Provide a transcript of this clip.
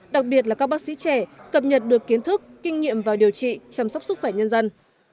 đặc biệt là các bác sĩ trẻ cập nhật được kiến thức kinh nghiệm vào điều trị chăm sóc sức khỏe nhân dân